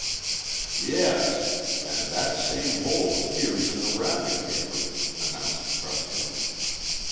"Yes, and that same hole appears in the wrapping paper," announced Preston.